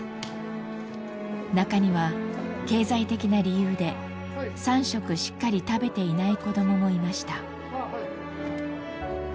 中には経済的な理由で３食しっかり食べていない子どももいました。